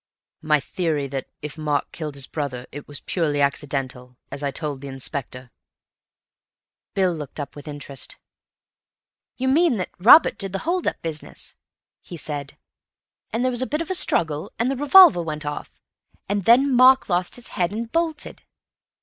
"My theory that, if Mark killed his brother, it was purely accidental—as I told the Inspector." Bill looked up with interest. "You mean that Robert did the hold up business," he said, "and there was a bit of a struggle, and the revolver went off, and then Mark lost his head and bolted?